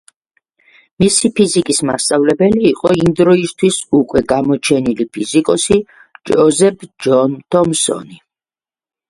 მისი ფიზიკის მასწავლებელი იყო იმდროისთვის უკვე გამოჩენილი ფიზიკოსი ჯოზეფ ჯონ თომსონი.